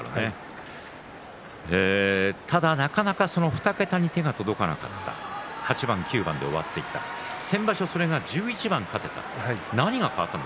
２桁になかなか手が届かなかった８番９番で終わっていた先場所、それが１１番勝てた。